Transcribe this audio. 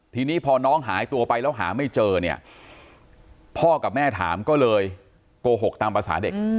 ทีนี้พอน้องหายตัวไปแล้วหาไม่เจอเนี่ยพ่อกับแม่ถามก็เลยโกหกตามภาษาเด็ก